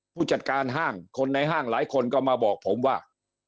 ผู้จัดการห้างคนในห้างหลายคนก็มาบอกผมว่า